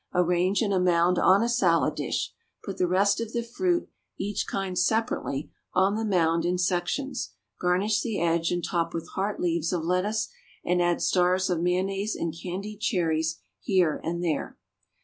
Arrange in a mound on a salad dish. Put the rest of the fruit, each kind separately, on the mound in sections; garnish the edge and top with heart leaves of lettuce, and add stars of mayonnaise and candied cherries here and there.